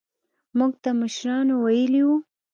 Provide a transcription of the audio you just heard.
موږ ته مشرانو ويلي وو.